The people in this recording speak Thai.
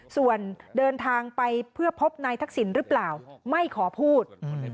ส่วนเดินทางไปเพื่อพบนายทักษิณหรือเปล่าไม่ขอพูด